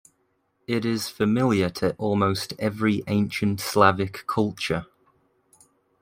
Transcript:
It is familiar to almost every ancient slavic culture.